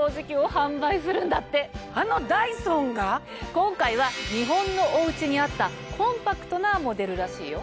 今回は日本のお家に合ったコンパクトなモデルらしいよ。